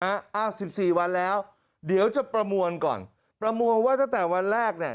อ้าวสิบสี่วันแล้วเดี๋ยวจะประมวลก่อนประมวลว่าตั้งแต่วันแรกเนี่ย